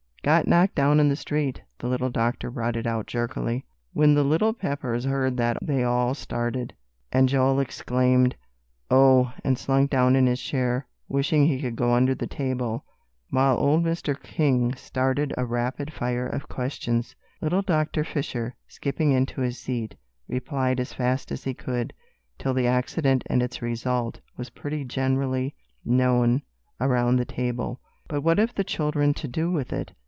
"Got knocked down in the street," the little doctor brought it out jerkily. When the little Peppers heard that they all started, and Joel exclaimed, "Oh!" and slunk down in his chair, wishing he could go under the table, while old Mr. King started a rapid fire of questions. Little Doctor Fisher, skipping into his seat, replied as fast as he could, till the accident and its result was pretty generally known around the table. "But what have the children to do with it?"